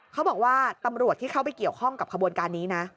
เขาบอกว่าตำรวจที่เข้าไปเกี่ยวข้องกับขบวนการนี้นะ